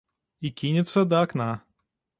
І кінецца да акна.